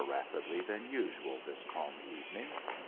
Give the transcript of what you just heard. rapidly than usual this calm evening.